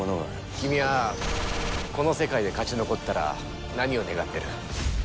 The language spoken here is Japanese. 君はこの世界で勝ち残ったら何を願ってる？